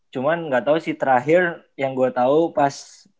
cuman gak tau sih terakhir yang gue tau pas